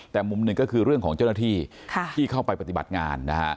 แต่มุมหนึ่งก็คือเรื่องของเจ้าหน้าที่ที่เข้าไปปฏิบัติงานนะฮะ